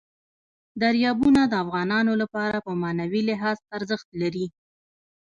دریابونه د افغانانو لپاره په معنوي لحاظ ارزښت لري.